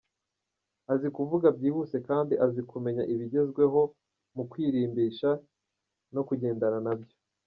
Azi kuvuga byihuse kandi azi kumenya ibigezweho mu kwirimbisha no kugendana nabyo.